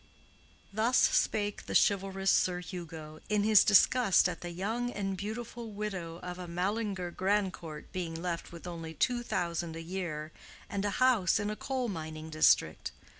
Thus spake the chivalrous Sir Hugo, in his disgust at the young and beautiful widow of a Mallinger Grandcourt being left with only two thousand a year and a house in a coal mining district.